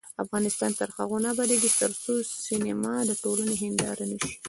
افغانستان تر هغو نه ابادیږي، ترڅو سینما د ټولنې هنداره نشي.